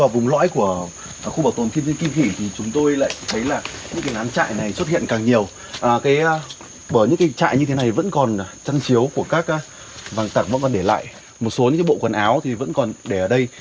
một số những bộ quần áo vẫn còn để ở đây